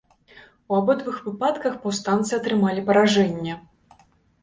У абодвух выпадках паўстанцы атрымалі паражэнне.